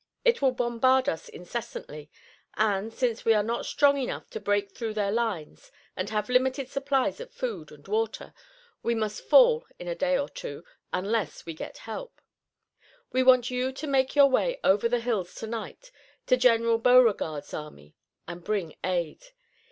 It will bombard us incessantly, and, since we are not strong enough to break through their lines and have limited supplies of food and water, we must fall in a day or two, unless we get help. We want you to make your way over the hills tonight to General Beauregard's army and bring aid.